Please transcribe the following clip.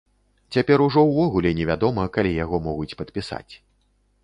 Цяпер ужо ўвогуле невядома, калі яго могуць падпісаць.